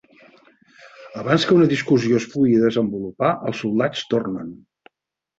Abans que una discussió es pugui desenvolupar els soldats tornen.